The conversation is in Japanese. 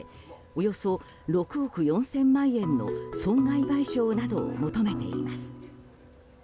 およそ６億４０００万円の損害賠償などを求めています。